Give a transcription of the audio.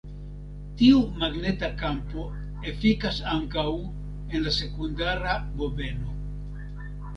Tiu magneta kampo efikas ankaŭ en la sekundara bobeno.